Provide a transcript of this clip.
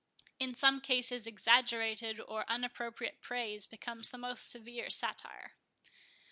In some cases, exaggerated or unappropriate praise becomes the most severe satire.